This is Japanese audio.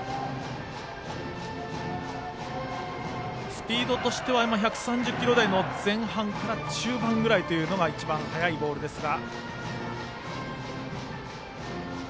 スピードとしては１３０キロ台の前半か中盤くらいというのが一番速いボールですが。